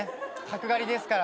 角刈りですから。